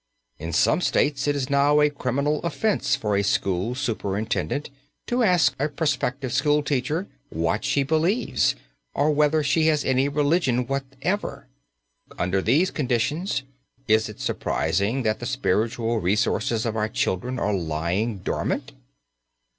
In some states it is now a criminal offence for a school superintendent to ask a prospective school teacher what she believes or whether she has any religion whatever! Under these conditions, is it surprising that the spiritual resources of our children are lying dormant?